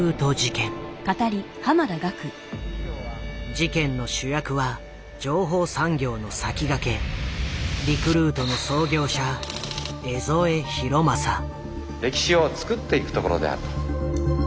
事件の主役は情報産業の先駆け歴史を作っていくところであると。